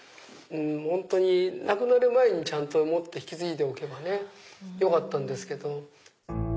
本当に亡くなる前にもっと引き継いでおけばねよかったんですけど。